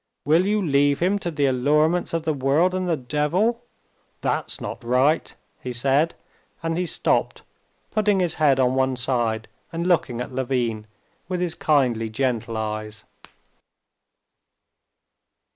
Will you leave him to the allurements of the world and the devil? That's not right," he said, and he stopped, putting his head on one side and looking at Levin with his kindly, gentle eyes.